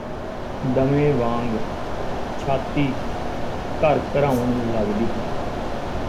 ਦਮੇ ਵਾਂਗ ਛਾਤੀ ਘਰਘਰਾਉਣ ਲੱਗਦੀ ਹੈ